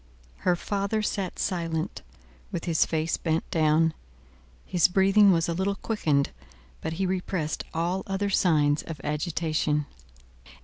Her father sat silent, with his face bent down. His breathing was a little quickened; but he repressed all other signs of agitation.